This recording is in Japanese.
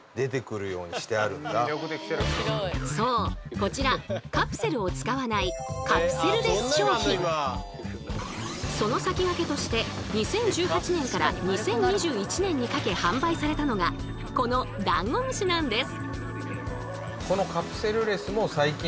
こちらカプセルを使わないその先駆けとして２０１８年から２０２１年にかけ販売されたのがこのダンゴムシなんです。